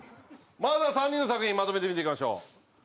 まずは３人の作品まとめて見ていきましょう。